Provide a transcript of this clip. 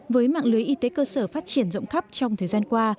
với mạng lưới y tế cơ sở phát triển rộng khắp trong thời gian qua